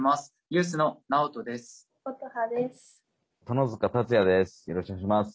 土濃塚達也です。